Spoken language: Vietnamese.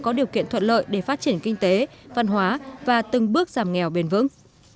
có điều kiện thuận lợi để phát triển kinh tế văn hóa và từng bước giảm nghèo bền vững